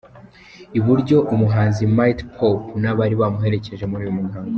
I buryo, umhanzi Mighty Popo n'abari bamuherekeje muri uyu muhango.